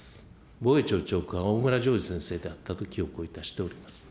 防衛庁長官、おおむらじょうじ先生であったと記憶をいたしております。